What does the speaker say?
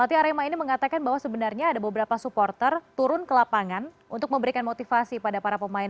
roti arema ini mengatakan bahwa sebenarnya ada beberapa supporter turun ke lapangan untuk memberikan motivasi pada para pemain